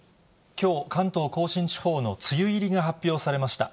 きょう、関東甲信地方の梅雨入りが発表されました。